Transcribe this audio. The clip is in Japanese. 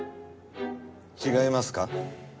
違いますか？